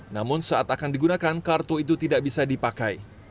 namun saat akan digunakan kartu itu tidak bisa dipakai